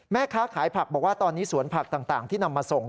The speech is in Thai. แม่ค้าขายผักบอกว่าตอนนี้สวนผักต่างที่นำมาส่ง